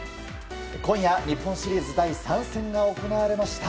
今夜、日本シリーズ第３戦が行われました。